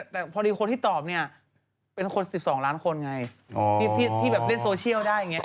แต่พอดีคนที่ตอบเนี่ยเป็นคน๑๒ล้านคนไงที่แบบเล่นโซเชียลได้อย่างนี้